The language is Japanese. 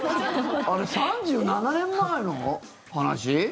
あれ、３７年前の話？